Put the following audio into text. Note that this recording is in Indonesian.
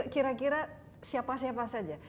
kira kira siapa siapa saja